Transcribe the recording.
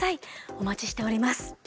お待ちしております。